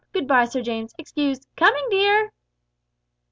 Good bye, Sir James. Excuse . Coming, dear!"